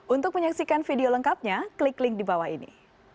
untuk menyaksikan video lengkapnya klik link di bawah ini